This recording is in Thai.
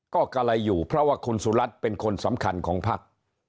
ก็กะไรอยู่เพราะว่าคุณสุรัตน์เป็นคนสำคัญของภักดิ์